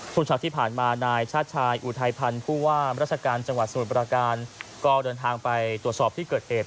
ช่วงเช้าที่ผ่านมานายชาติชายอุทัยพันธ์ผู้ว่ามราชการจังหวัดสมุทรประการก็เดินทางไปตรวจสอบที่เกิดเหตุ